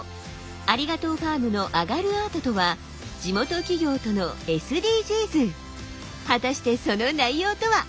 ありがとうファームの「あがるアート」とは地元企業との果たしてその内容とは？